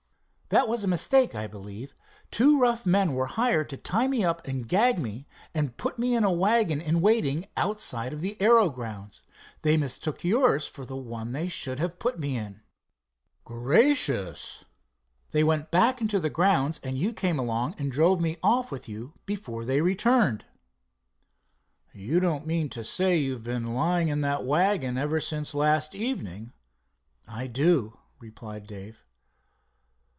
"That was a mistake, I believe. Two rough men were hired to tie me up and gag me and put me in a wagon in waiting outside of the aero grounds. They mistook yours for the one they should have put me in." "Gracious!" "They went back into the grounds, and you came along and drove me off with you before they returned." "You don't mean to say you've been lying in that wagon ever since last evening?" "I do," replied Dave.